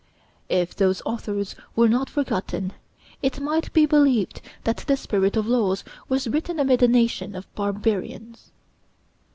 If those authors were not forgotten, it might be believed that the 'Spirit of Laws' was written amid a nation of barbarians.